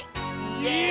イエーイ！